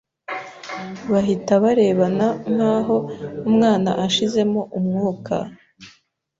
bahita barebana nk’aho umwana ashizemo umwuka